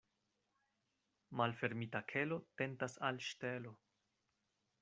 Malfermita kelo tentas al ŝtelo.